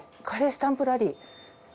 カレースタンプラリー。